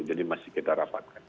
jadi masih kita rapatkan